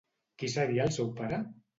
Qui seria el seu pare?